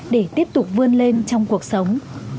để tiếp tục vươn lên trong cuộc sống